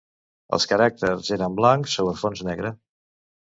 Els caràcters eren blancs sobre fons negre.